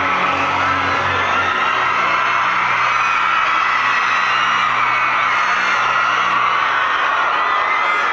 กรียมใครเหมือนเธอ